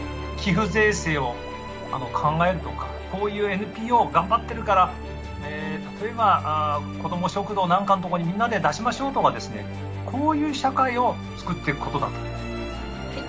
寄付税制を考えるとかこういうＮＰＯ頑張ってるから例えば子ども食堂なんかのところにみんなで出しましょうとかですねこういう社会を作っていくことだと。